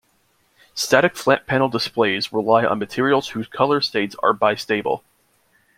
Static flat-panel displays rely on materials whose color states are bistable.